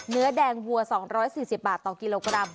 เนื้อแดงวัว๒๔๐บาทต่อกิโลกรัม